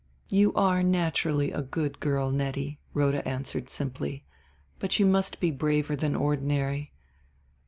"You are naturally a good girl, Nettie," Rhoda answered simply; "but you must be braver than ordinary.